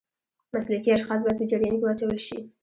مسلکي اشخاص باید په جریان کې واچول شي.